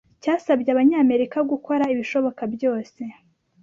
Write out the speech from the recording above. cyasabye Abanyamerika gukora ibishoboka byose